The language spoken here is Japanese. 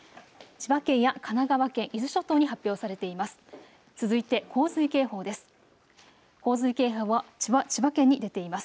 千葉県や神奈川県、伊豆諸島に発表されています。